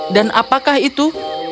dan apakah itu